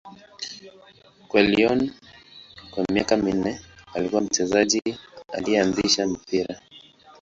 Kwa Lyon kwa miaka minne, alikuwa mchezaji aliyeanzisha mpira.